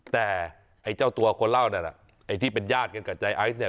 แต่ไอ้เจ้าตัวคนเล่านั่นน่ะไอ้ที่เป็นญาติกันกับใจไอซ์เนี่ย